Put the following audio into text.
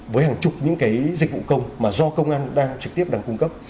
với hàng chục những dịch vụ công mà do công an đang trực tiếp đang cung cấp